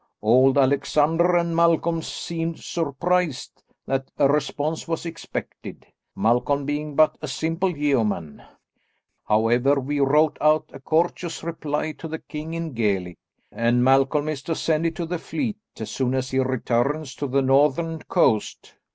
Old Alexander and Malcolm seemed surprised that a response was expected, Malcolm being but a simple yeoman. However, we wrote out a courteous reply to the king, in Gaelic, and Malcolm is to send it to the fleet as soon as he returns to the northern coast."